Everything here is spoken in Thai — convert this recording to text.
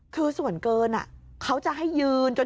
คือส่วนเกินเขาจะให้ยืนจน